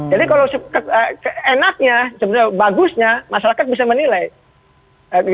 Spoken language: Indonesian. kalau enaknya sebenarnya bagusnya masyarakat bisa menilai